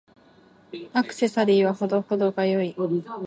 アクセサリーは程々が良い。